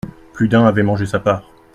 Plus d’un avait mangé sa part.